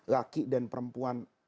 laki dan perempuan